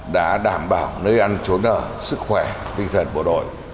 đã đảm bảo nơi ăn trốn ở sức khỏe tinh thần bộ đội